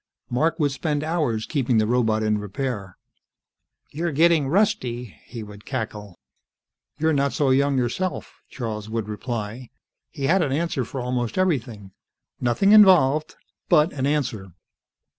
Mark would spend hours keeping the robot in repair. "You're getting rusty," he would cackle. "You're not so young yourself," Charles would reply. He had an answer for almost everything. Nothing involved, but an answer.